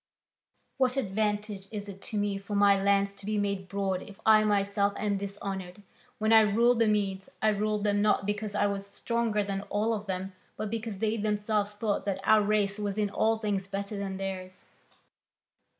What advantage is it to me for my lands to be made broad if I myself am dishonoured? When I ruled the Medes, I ruled them not because I was stronger than all of them, but because they themselves thought that our race was in all things better than theirs."